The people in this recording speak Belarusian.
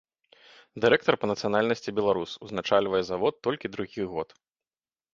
Дырэктар па нацыянальнасці беларус, узначальвае завод толькі другі год.